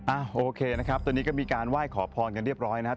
โอเคนะครับตอนนี้ก็มีการไหว้ขอพรกันเรียบร้อยนะครับ